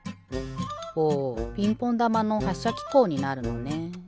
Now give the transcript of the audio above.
おピンポンだまのはっしゃきこうになるのね。